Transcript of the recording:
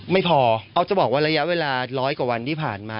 ไม่พอออฟจะบอกว่าระยะเวลาร้อยกว่าวันที่ผ่านมา